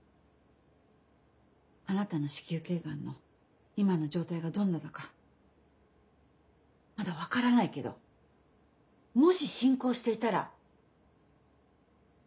あなたの子宮頸がんの今の状態がどんなだかまだ分からないけどもし進行していたら。